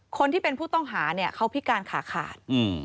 คนที่เป็นผู้ต้องหาเนี่ยเขาพิการขาขาด